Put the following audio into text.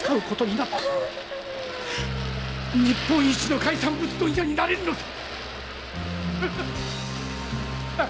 日本一の海産物問屋になれるのさ！